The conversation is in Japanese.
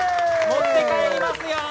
持って帰りますよ。